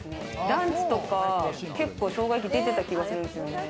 ランチとか結構、生姜焼き出てた気がするんですよね。